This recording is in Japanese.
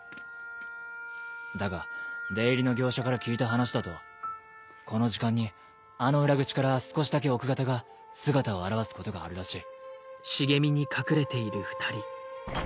だが出入りの業者から聞いた話だとこの時間にあの裏口から少しだけ奥方が姿を現すことがあるらしい。